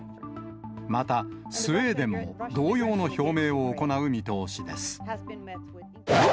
またスウェーデンも同様の表明を行う見通しです。